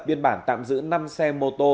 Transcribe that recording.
biên bản tạm giữ năm xe mô tô